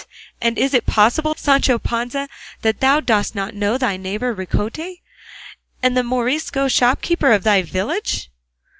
and is it possible, Sancho Panza, that thou dost not know thy neighbour Ricote, the Morisco shopkeeper of thy village?"